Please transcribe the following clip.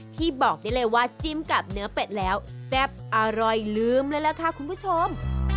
ที่บอกได้เลยว่าจิ้มกับเนื้อเป็ดแล้วแซ่บอร่อยลืมเลยล่ะค่ะคุณผู้ชม